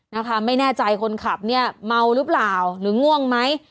นะคะไม่แน่ใจคนขับเนี่ยเมาหรือเปล่าหรือง่วงไหม